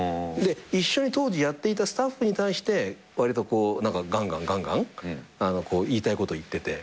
一緒に当時やっていたスタッフに対してわりとがんがんがんがん言いたいこと言ってて。